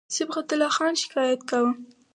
صبغت الله خان شکایت کاوه.